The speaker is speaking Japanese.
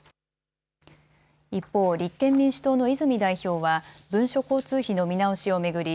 一方、立憲民主党の泉代表は文書交通費の見直しを巡り